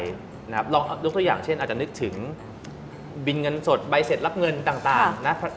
ลองยกตัวอย่างเช่นอาจจะนึกถึงบินเงินสดใบเสร็จรับเงินต่างนะ